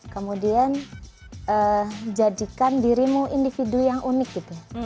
kemudian jadikan dirimu individu yang unik gitu